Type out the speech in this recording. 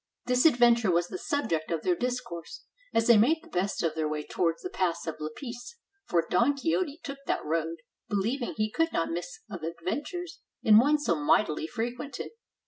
This adventure was the subject of their discourse, as they made the best of their way towards the pass of Lapice; for Don Quixote took that road, believing he could not miss of adventures in one so mightily fre quented.